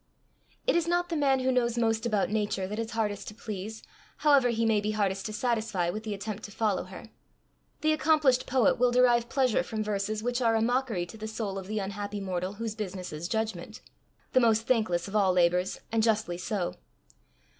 It is not the man who knows most about Nature that is hardest to please, however he may be hardest to satisfy, with the attempt to follow her. The accomplished poet will derive pleasure from verses which are a mockery to the soul of the unhappy mortal whose business is judgment the most thankless of all labours, and justly so.